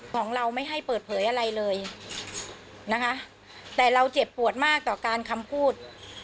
ของเราไม่ให้เปิดเผยอะไรเลยนะคะแต่เราเจ็บปวดมากต่อการคำพูด